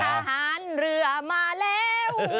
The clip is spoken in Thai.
ทหารเรือมาแล้ว